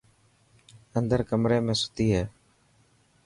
اندر ڪمري ۾ ستي هي.